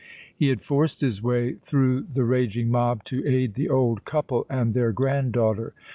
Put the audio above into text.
He had forced his way through the raging mob to aid the old couple and their granddaughter.